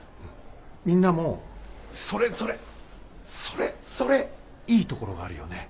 みんなもそれぞれそれぞれいいところがあるよね。